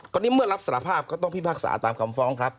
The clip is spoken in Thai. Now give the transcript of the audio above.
ตอนนี้เมื่อรับสารภาพก็ต้องพิพากษาตามคำฟ้องครับ